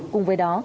cùng với đó